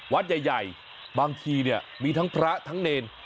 วัดใหญ่บางทีเนี่ยมีทั้งพระทั้งเนร